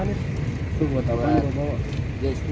itu buat apaan